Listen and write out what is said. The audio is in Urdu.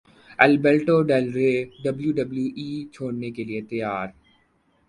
Alberto Del Rio W W E چھوڑنے کے لیے تیار